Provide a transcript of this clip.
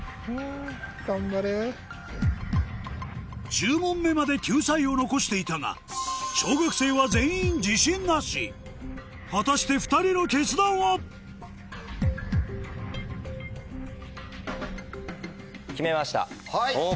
１０問目まで救済を残していたが小学生は全員自信なし果たして２人の決断は⁉はい！